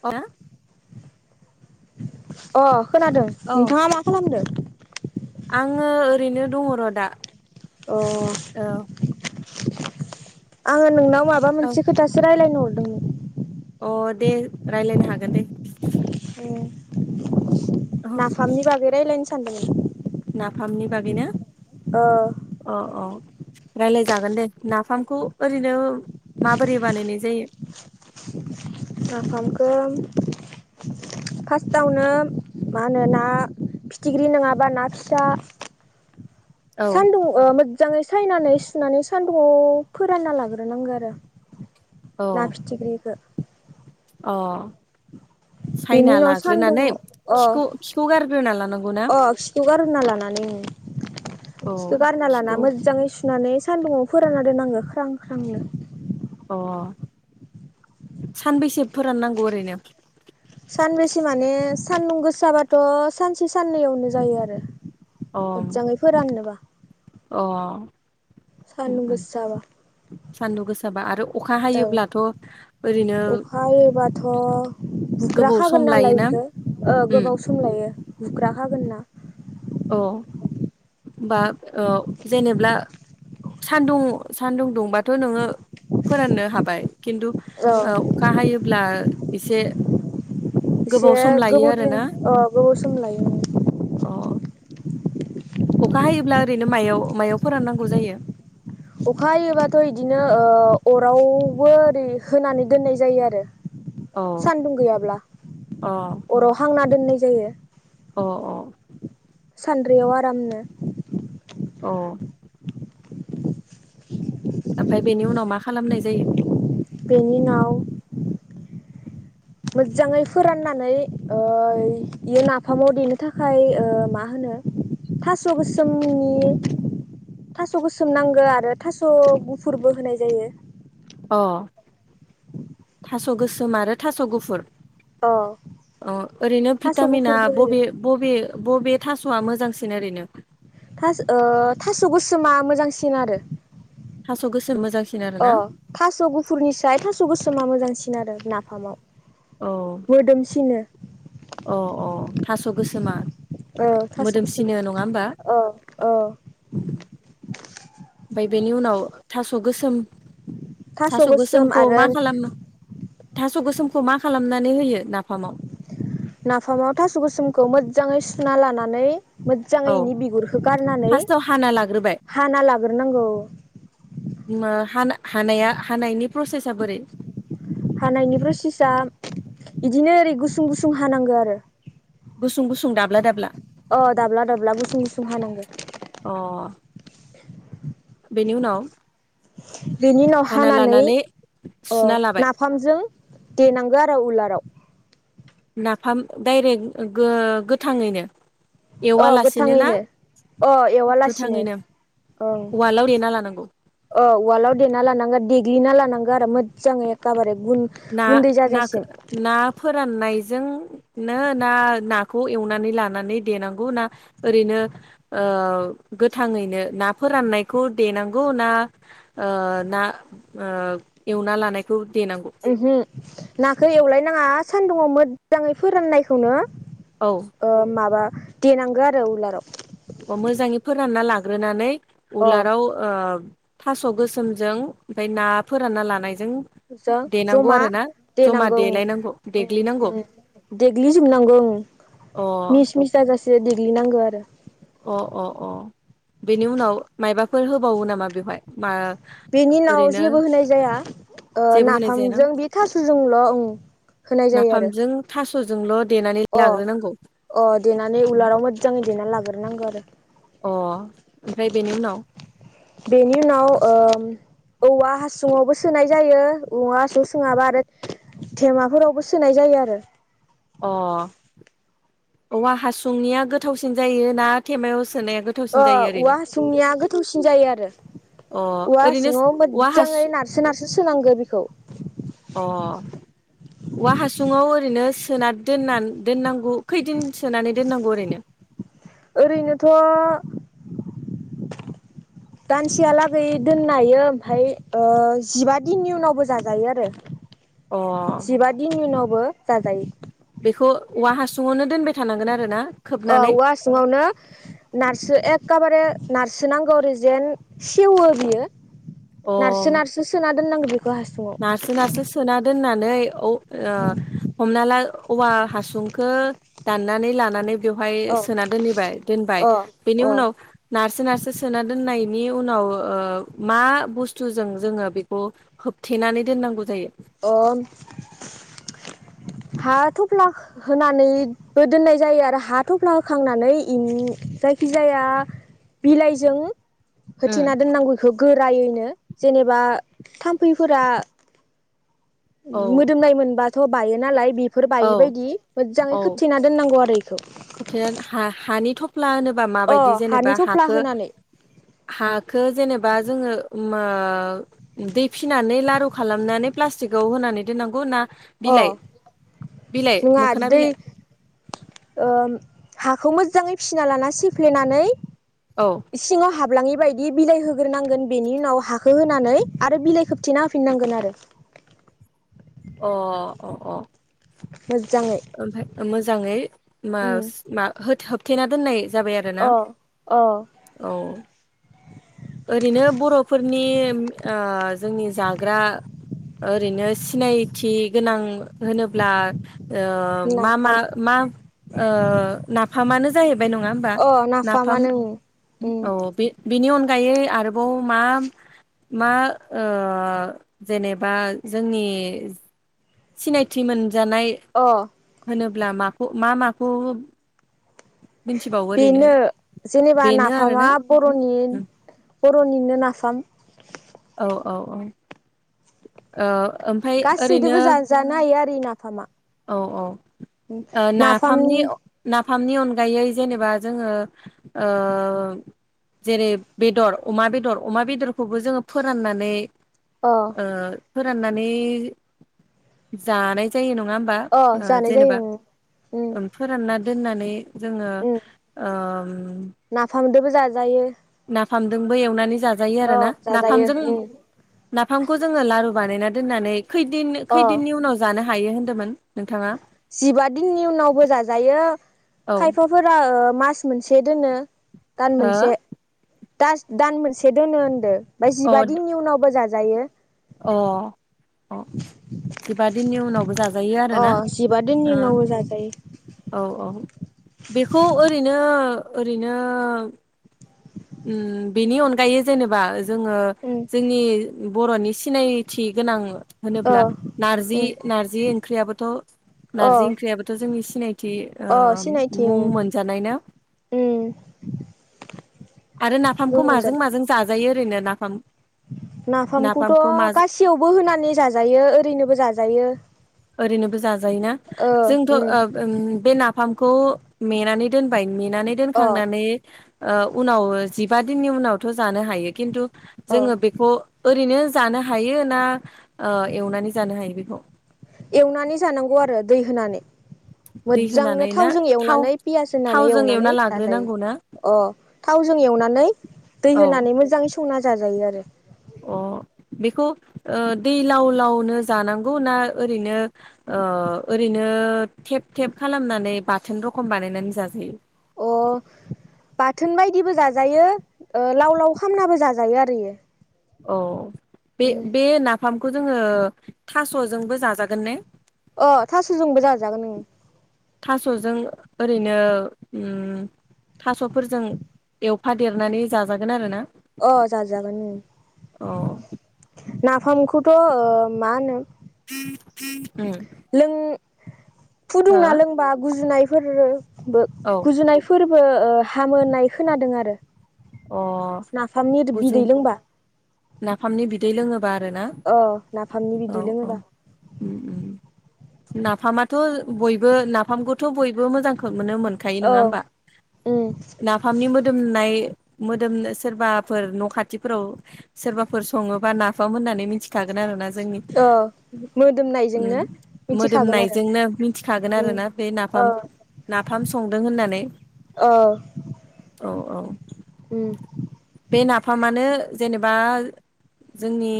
आ अ खोनादों नोंथाङा मा खालामदों। आङो ओरैनो दङ दा। अ आङो नोंनाव माबा औ मोनसे खोथासो रायजलायनो हरदोंमोन। अ दे रायलायनो हागोन दे। उम औ नाफामनि बागै रायजलायनो सानदोंमोन। नाफामनि बागैना ओ अ अ रायलाय जागोन दे नाफामखौ ओरैनो माबोरै बानायनाय जायो। नाफामखौ फार्स्टआवनो मा होनो ना फिथिख्रि नङाबा ना फिसाल औ सानदुं मोजाङै सायनानै सुनानै सान्दुंङाव फोरानना लाग्रोनांगौ आरो औ ना फिथिग्रिखौ। अ। बेनि सायना उनाव लाग्रोनानै सान्दुङाव अ खिखौ खिखौ गारग्रोना लानांगौ ना। अ औ बिखौ गारना लाना खिखौ मोजाङै सुनानै सान्दुङाव फोरानना दोननांगो ख्रां ख्रांनो। अ सानबेसे फोराननांगौ ओरैनो सानबेसे माने सानदुं गोस जाबाथ सानसे साननैयावनो जायो आरो अ मोजाङै फोराननोबा अ सानदुं गोसाबा सान्दुं गोसाबा आरो अखा औ हायोब्लाथ' ओरैनो अखा हानायोबाथ गोबाव सम बुख्राखागोन नालाय लायोना बेखौ उम गोबाव सम लायो बुख्राखागोनना औ होमबा औ जेनेब्ला सानदुं सानदुं दुंबाथ' नोङो फोराननो हाबाय खिन्थु औ अखा हायोब्ला एसे एसे गोबाव सम लायो गोबौ दिन आरोना गोबाव सम लायो अ अखा हायोब्ला ओरैनो मायाव मायाव फोराननांगौ जायो अखा हायोबाथ' बिदिनो अरावबो ओरै होनानै दोननाय जायो आरो अ सानदुं गैयाब्ला अ अराव हांना दोननाय जायो अ अ सानद्रियाव आरामनो अ ओमफ्राय बेनि उनाव मा खालामनाय जायो? बेनि उनाव [inaudible] मोजाङै फोराननानै बियो नाफामाव देनो थाखाय मा होनो थास' गोसोमनि थास' गोसोम नांगौ आरो थास' गुफुरबो होनाय जायो अ थास' गोसोम आरो थास' गुफुर अ औ ओरैनो थास' भिटामिना गुफुरबो होयो बबे बबे बबे थास'आ मोजांसिन ओरैनो थास थास' गोसोमा मोजांसिन आरो थाब गोसोम मोजां अ थास' गुफुरनिसाय थास' गोसोमा मोजांसिन आरो नाफामाव औ मोदोमसिनो अ अ थास' गोसोमा औ थास' मोदोमसिनो गोसोमा नङा होमबा ओ ओ ओमफ्राय बेनि उनाव थास' गोसोम थास' गोसोम गोसोमखौ आरो मा खालामो थास' गोसोमखौ मा खालामनानै होयो नाफामाव नाफामाव थास' गोसोमखौ मोजाङै सुना लानानै औ मोजाङै इनि बिगुरखौ गारनानै फार्स्टआव हाना हाना लाग्रोनांगौ हा हानाया हानायनि प्रसेसा बोरै हानायनि प्रसेसा बिदिनो ओरै गुसुं गुसुं हानांगौ आरो गुसुं गुसुं दाब्ला दाब्ला अ दाब्ला दाब्ला गुसुं गुसुं हानांगो अ बेनि उनाव [inaudible] बेनि उनाव हाना हानानै लानानै अ सुना लाबाय नाफामजों देनांगो आरो उलाराव नाफाम डाइरेक्ट गोथाङैनो अ एवालासिनो ना गोथाङैनो अ एवालासिनो गोथाङैनो ओं उवालाव देना लानांगौ अ उवालआव देना लानांगोन देगलिना लानांगो आरो मोजाङै एखेबारे गुन ना गुन्दै ना जाजासिम ना फोराननाय जोंनो ना नाखौ एवनानै लानानै देनांगौ ना ओरैनो गोथाङैनो ना फोराननायखौ देनांगौ ना ना एवना लानायखौ देनांगौ ओहो नाखौ एवलायनाङा सान्दुङाव मोजाङै फोराननायखौनो औ माबा देनांगो आरो उलाराव अ मोजाङै फोरानना लाग्रोनानै अ उलाराव ओ थास' गोसोमजों ओमफ्राय ना फोरानना लानाय जों जों देनांगौ जमा आरो ना जमा देलायनांगौ देग्लिनांगौ देग्लि जोबनांगौ अ मिस मिस जाजासे देग्लिनांगो आरो अ अ फोर होबावो नामा बेवहाय मा बेनि उनाव ओरैनो जेबो होनाय जाया जेबो होनाय जायाना नाफामजों बे थासजोंल' ओं होनाय जायो आरो नाफामजों थास'जोंल' देनानै अ लाग्रोनांगौ अ देनानै उलाराव मोजाङै देनानै लाग्रोनांगौ आरो अ ओमफ्राय बेनि उनाव बेनि उनाव औवा हासुङावबो सोनाय जायो औवा हासुं सोङाबा आरो थेमाफोरावबो सोनाय जायो आरो। अ औवा हासुंनिया गोथावसिन जायो ना थेमायाव सोनाया गोथावसिन अ जायो औवा ओरैनो सुंनिया गोथावसिन जायो आरो। अ औवा ओरैनो सिङाव औवा मोजाङै हासुं नारसो नारसो सोनांगो। बि अ औवा हासुङाव ओरैनो सोना दोन दोननांगौ खैदिन सोनानै दोननांगौ ओरैनो ओरैनोथ' दानसेहालागै दोननो हायो ओमफ्राय जिबा दिननि उनावबो जाजायो आरो। अ जिबा दिन उनावबो जाजायो। बेखौ औवा हासुङावनो दोनबाय थानांगोन आरो ना। अ खोबनानै औवा सिङावनो नारसो एम एखेबारे नारसोनांगौ ओरैजेन सेवो बियो नारसो अ नारसो सोना दोननांगौ बेखौ हासुङाव नारसो नारसो सोना दोना नै हमना ला औवा हासुंखौ दानानै लानानै बेवहाय औ सोना दोनहैबाय दोनबाय अ बेनि अ उनाव नारसो नारसो सोना दोननायनि बेनि उनाव मा बुस्थुजों जोङो बेखौ होबथेनानै दोननांगौ जायो। अ हा थफ्ला होनानैबो दोननाय जायो आरो हा थफ्ला होखांनानै जायखि जाया बिलाइजों होथेना दोननांगौ बेखौ गोरायैनो जेनेबा थाम्फैफोरा औ मोदोमनाय मोनबाथ' बायो नालाय बेफोर औ बायैबायदि मोजाङै खोबथेना दोननांगौ आरो। इखौ खोबथे हा हानि थ थफ्ला होनोबा अ माबायदि हानि जेनेबा थफ्ला हखौ होनानै हखौ जेनेबा बा जोङो दै फिनानै लारु खालामनानै प्लास्टिकआव होनानै दोननांगौ ना अ बिलाइ बिलाइ नङा मोखोना दै बिलाइ ओम हाखौ मोजाङै फिसिना लाना सिफ्लेनानै औ इ सिङाव हाब ब्लाङि बायदि बिलाइ होग्रोनांगोन बेनि उनाव हाखखौ होनानै आरो बिलाइ खोबथेना होफिननांगोन आरो। अ [inaudible] अ अ अ मोजाङै ओमफ्राय मोजाङै मा उम मा होबथेना दोननाय जाबाय आरोना औ उ [inaudible] ओरैनो बर'फोरनि जोंनि जाग्रा ओरैनो सिनायथि गोनां होनोब्ला मा मा नाफाम मा नाफामानो जाहैबाय नङा होमबा अ नाफाम नाफामानो उम उम औ बे बिनि अनगायै आरोबाव मा मा जेनेबा जोंनि सिनायथि मोनजानाय अ होनोब्ला माखौ मा माखौ मिथिबावो ओरैनो बेनो जेनेबा बेनो आरोना नाफामा बर'नि बर'निनो नाफाम औ औ ओ ओमफ्राय गासैदोबो ओरैनो जाजानो हायो आरो इ नाफामा औ औ ओ नाफाम नाफामनि ना फामनि अनगायै जेनेबा जोङो ओ जेरै बेदर अमा बेदर अमा बेदरखौबो जोङो फोराननानै अ ओ फोराननानै जानाय जायो नङा बा अ ओ जानाय जेनेबा जायो ओं उम ओ फोरानना दोननानै जोङो उम ओम नाफामदोबो जाजायो नाफामदोंबो एवनानै जा जायो अ आरोना जाजायो नाफामजों उम नाफामखौ जोङो लारु बानायना दनानै खैदिन अ खैदिननि उनाव जानो हायो होनदोमोन जिबा दिननि उनावबो जाजायो औ खायफाफोरा ओ मास मोनसे दोनो दान हो मोनसे दास मोनसे दोनो ओमफ्राय जिबा अ दिननि उनावबो जाजायो अ जायो अ आरोना जिबा दिननि ओ उनावबो जाजायो औ औ बेखौ ओरैनो ओरैनो उम बेनि अनगायै जेनेबा जोङो उम जोंनि बर'नि सिनायथि गोनां अ होनोब्ला नारजि उम नारजि ओंख्रियाबोथ' नारजि अ ओंख्रियाबोथ' जोंनि थि अ ओ सिनायथि मुं मोनजानाय ना? उम आरो जों नाफामखौ मोनगोन माजों माजों जाजायो ओरैनो नाफाम नाफामखौथ' नाफामखौ मा गासैयावबो होनानै जाजायो ओरैनोबो जाजायो ओरैनोबो जाजायोना ओ जोंथ' उम ओ बे नाफामखौ मेनानै दोनबाय मेनानै अ दोनखांनानै उनाव जिबा दिननि उनावथ' जानो हायो खिनथु अ जोङो बेखौ ओरैनो जानो हायो ना ओ एवनानै जानो हायो बेखौ एवनानै जानांगौ आरो दै होनानै दै मोजजांनो होनानै ना थावजों थाव एवनानै पियास होनानै थावजों एवना एवनानै जाजायो लाग्रोनांगौ ना अ थावजों एवनानै दै औ होनानै मोजाङै संना जाजायो आरो [inaudible] अ बेखौ ओ दै लाव-लावनो जानांगौ ना ओरैनो ओ ओरै नो थेब थेब खालामनानै बाथोन रखम बानायनानै जाजायो अ बाथोन बायदिबो जाजायो ओ लाव-लाव खामनाबो जाजायो आरो इयो औ बे उम बे नाफामखौ जोङो थास'जोंबो जाजागोन ने? अ थास'जोंबो जाजागोन ओं थास'जों ओरैनो उम थास'फोरजों एवफादेरनानै जाजागोन आरो ना? अ जाजागोन अ उम नाफामखौथ' ओ मा होनो उम लों हो फुदुंना लोंबा गुजुनायफोर बो औ गुजुनायफोरबो ओ हामो होननाय खोनादों आरो अ नाफामनि गुजुं बिदै लोंबा बारोना औ नाफामनि औ बिदै औ लोङोबा ओम ओम नाफामाथ' बयबो नाफामखौथ' बयबो मोजांखौ मोनो मोनखायो औ नङा होमबा उम नाफामनि मोदोमनाय मोदोमनो सोरबाफोर न' खाथिफोराव सोरबाफोर सङोबा नाफाम होननानै मिथिखागोन आरोना जोंनि औ मोदोमनायजोंनो ओम मिथिखागोन आरो मोदोमनायजोंनो मिथिखागोन आरो उम ना बे नाफाम ओ नाफाम संदों होननानै ओ औ औ उम बे नाफामानो जेनेबा जोंनि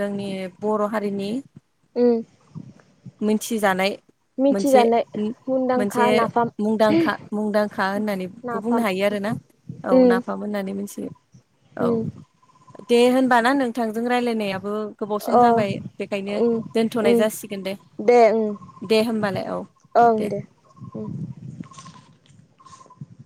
जोंनि बर' हारिनि उम मिथिजानाय मोनसे मिथिजानाय मुंदांखा मोनसे नाफाम मुंदांखा मुंदांखा होननानैबो बुंनो नाफाम हायो आरो। औ उम नाफाम होननानै बुङो। उम दे होनबा ना नोंथां जों रायलायनायाबो गोबाव सम अ जाबाय बेखायनो उम दोनथ'नाय उम जासिगोन दे। दे होमबालाय औ दे उम